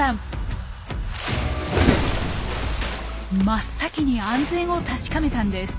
真っ先に安全を確かめたんです。